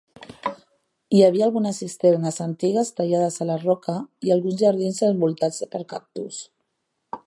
Hi havia algunes cisternes antigues tallades a la roca, i alguns jardins envoltats per cactus.